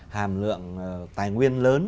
hàm lượng tài nguyên lớn